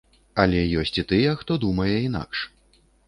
Але ёсць і тыя, хто думае інакш.